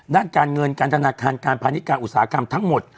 ด้านการเงินการธนาคารการพาณิชการอุตสาหกรรมทั้งหมด